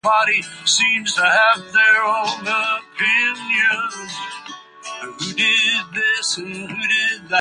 This was Graham Arnold's first signing since becoming coach of the club.